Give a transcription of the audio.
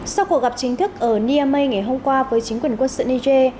sau cuộc gặp chính thức ở niamey ngày hôm qua với chính quyền quân sự niger